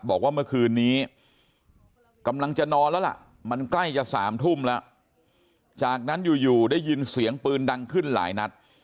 บอกว่าเมื่อคืนนี้กำลังจะนอนแล้วล่ะมันใกล้จะ๓ทุ่มแล้วจากนั้นอยู่ได้ยินเสียงปืนดังขึ้นหลายนัด